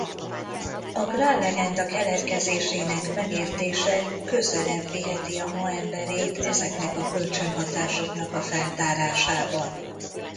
A Grál-legenda keletkezésének megértése közelebb viheti a ma emberét ezeknek a kölcsönhatásoknak a feltárásában.